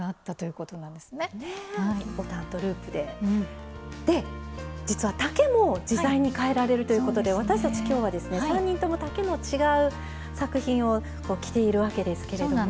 で実は丈も自在にかえられるということで私たち今日はですね３人とも丈の違う作品を着ているわけですけれども。